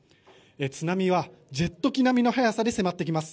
津波はジェット機並みの速さで迫ってきます。